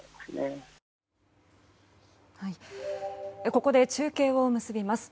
ここで中継を結びます。